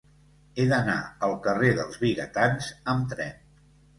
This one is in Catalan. He d'anar al carrer dels Vigatans amb tren.